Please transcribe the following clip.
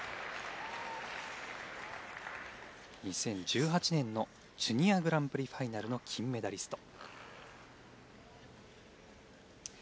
２０１８年のジュニアグランプリファイナルの金メダリスト。